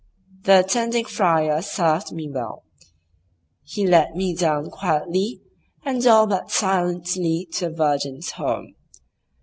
The attending friar served me well; he led me down quietly and all but silently to the Virgin's home.